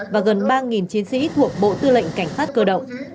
và gần ba chiến sĩ thuộc bộ tư lệnh cảnh sát cơ động